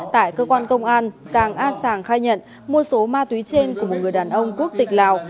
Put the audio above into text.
tại cơ quan công an giàng a sàng khai nhận mua số ma túy trên của một người đàn ông quốc tịch lào